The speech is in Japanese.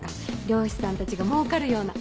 漁師さんたちが儲かるような。